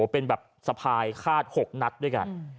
เป็นแบบสะพายคาด๖นัดด้วยกัน